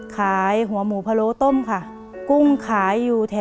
เปลี่ยนเพลงเพลงเก่งของคุณและข้ามผิดได้๑คำ